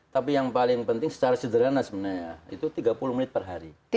tapi yang paling penting secara sederhana sebenarnya itu tiga puluh menit per hari